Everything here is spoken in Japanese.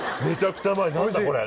何だこれ。